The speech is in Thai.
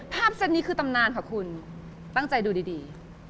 เซตนี้คือตำนานค่ะคุณตั้งใจดูดี